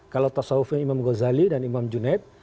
kalau tasawufi imam ghazali dan imam junaid